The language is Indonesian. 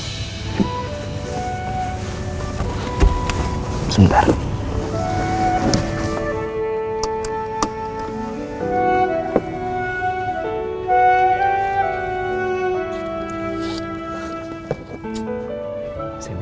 ket kita udah sampai